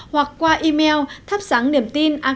hoặc qua email thapsangniemtina org vn